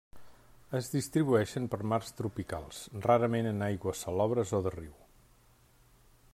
Es distribueixen per mars tropicals, rarament en aigües salobres o de riu.